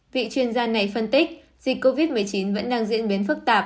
vị chuyên gia này phân tích dịch covid một mươi chín vẫn đang diễn biến phức tạp